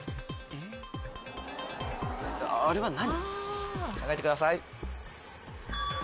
あれは何？